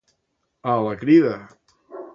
A la crida.